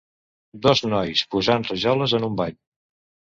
Dos nois posant rajoles en un bany.